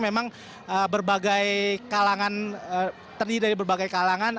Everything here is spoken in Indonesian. memang berbagai kalangan terdiri dari berbagai kalangan